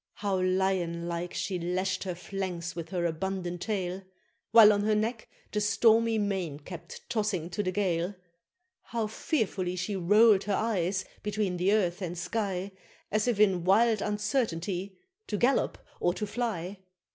How lion like she lash'd her flanks with her abundant tail; While on her neck the stormy mane kept tossing to the gale! How fearfully she roll'd her eyes between the earth and sky, As if in wild uncertainty to gallop or to fly!